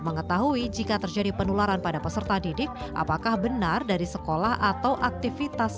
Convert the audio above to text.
mengetahui jika terjadi penularan pada peserta didik apakah benar dari sekolah atau aktivitas